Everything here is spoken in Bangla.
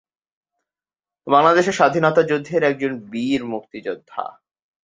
বাংলাদেশের স্বাধীনতা যুদ্ধের একজন বীর মুক্তিযোদ্ধা।